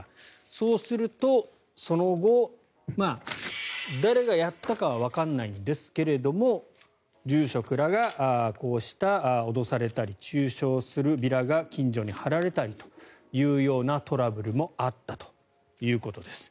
そうすると、その後誰がやったかはわからないんですが住職らが、こうした脅されたり中傷するビラが近所に貼られたりというようなトラブルもあったということです。